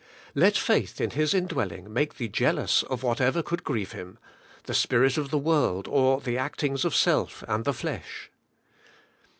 Let faith in His indwelling make thee jealous of whatever could grieve Him, — the spirit of the world or the actings of self and the flesh.